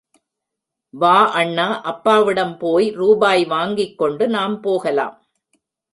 வா அண்ணா அப்பாவிடம் போய் ரூபாய் வாங்கிக் கொண்டு நாம் போகலாம்.